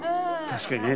確かにね。